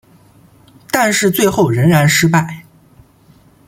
但是最后仍然失败。